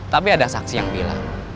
tapi ada saksi yang bilang